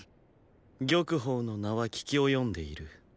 玉鳳の名は聞き及んでいる。